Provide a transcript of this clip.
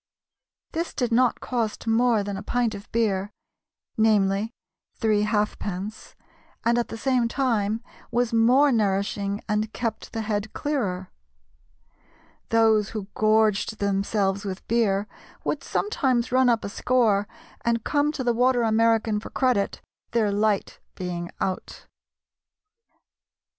This did not cost more than a pint of beer "namely, three halfpence" and at the same time was more nourishing and kept the head clearer. Those who gorged themselves with beer would sometimes run up a score and come to the Water American for credit, "their light being out."